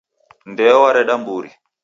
Ndeo w'areda mburi